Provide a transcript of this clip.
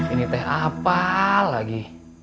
ini teh apa lagi